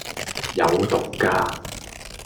有毒㗎